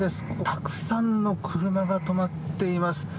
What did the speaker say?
たくさんの車が止まっています。